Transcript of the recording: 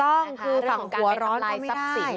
ถูกต้องคือฝั่งหัวร้อนก็ไม่ได้